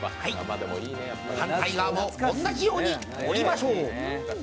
反対側も同じように折りましょう。